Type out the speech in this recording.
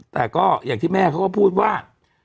แต่ก็อย่างที่แม่เขาก็พูดว่า